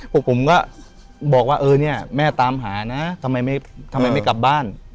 ผมก็บอกว่าเออเนี่ยแม่ตามหานะทำไมไม่กลับบ้าน